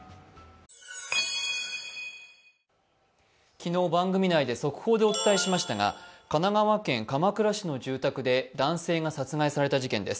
昨日、番組内で速報でお伝えしましたが、神奈川県鎌倉市の住宅で男性が殺害された事件です。